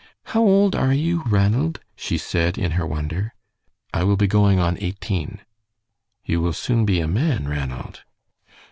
"How old are you, Ranald?" she said, in her wonder. "I will be going on eighteen." "You will soon be a man, Ranald."